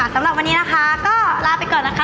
สำหรับวันนี้นะคะก็ลาไปก่อนนะคะ